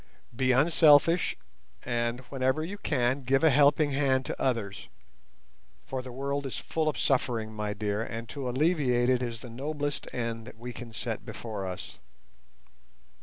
Be unselfish, and whenever you can, give a helping hand to others—for the world is full of suffering, my dear, and to alleviate it is the noblest end that we can set before us.